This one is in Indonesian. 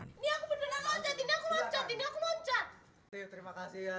ini aku beneran mau loncat ini aku loncat ini aku loncat